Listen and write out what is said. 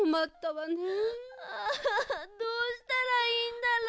あどうしたらいいんだろう。